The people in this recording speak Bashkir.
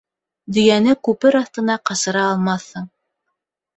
Дөйәне күпер аҫтына ҡасыра алмаҫһың.